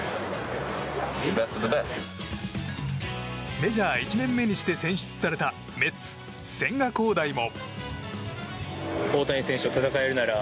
メジャー１年目にして選出されたメッツ千賀滉大も。